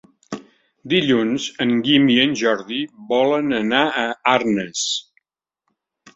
Dilluns en Guim i en Jordi volen anar a Arnes.